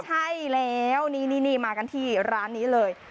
ใช่แล้วนี่มากันที่ร้านนี้เลย